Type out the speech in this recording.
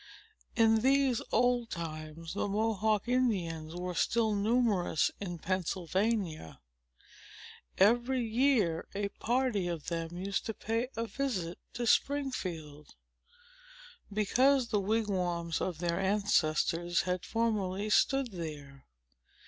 In these old times, the Mohawk Indians were still numerous in Pennsylvania. Every year a party of them used to pay a visit to Springfield, because the wigwams of their ancestors had formerly stood there.